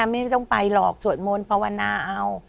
ไม่ต้องไปหรอกสวดมนต์ภาวนาเอา